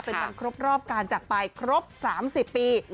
เป็นการครบรอบการจากปลายครบ๓๐ปี